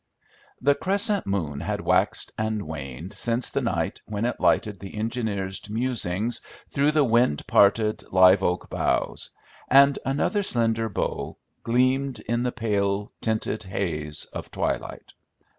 The crescent moon had waxed and waned since the night when it lighted the engineer's musings through the wind parted live oak boughs, and another slender bow gleamed in the pale, tinted haze of twilight.